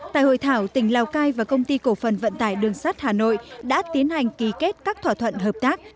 tại hội thảo tỉnh lào cai và công ty cổ phần vận tải đường sắt hà nội đã tiến hành ký kết các thỏa thuận hợp tác